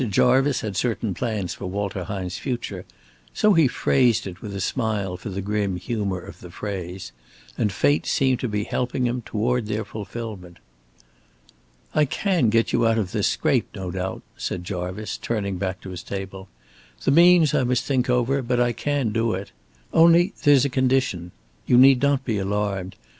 Jarvice had certain plans for Walter Hine's future so he phrased it with a smile for the grim humor of the phrase and fate seemed to be helping toward their fulfilment. "I can get you out of this scrape, no doubt," said Jarvice, turning back to his table. "The means I must think over, but I can do it. Only there's a condition. You need not be alarmed.